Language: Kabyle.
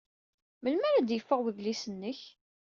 Melmi ara d-yeffeɣ wedlis-nnek?